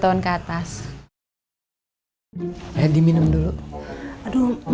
iya nggak ada apel righteous lagi